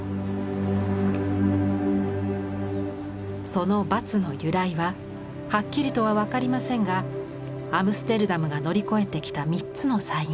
そのバツの由来ははっきりとは分かりませんがアムステルダムが乗り越えてきた三つの災害